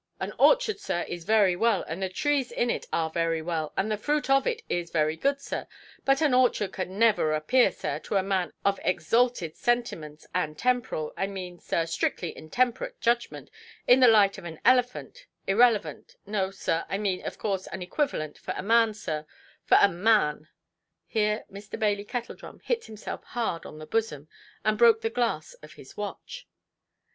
An orchard, sir, is very well, and the trees in it are very well, and the fruit of it is very good, sir; but an orchard can never appear, sir, to a man of exalted sentiments, and temporal—I mean, sir, strictly intemperate judgment, in the light of an elephant—irrelevant—no, sir, I mean of course an equilevant—for a man, sir, for a man"! Here Mr. Bailey Kettledrum hit himself hard on the bosom, and broke the glass of his watch.